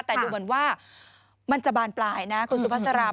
แต่ดูเหมือนว่ามันจะบานปลายนะคุณสุภาษา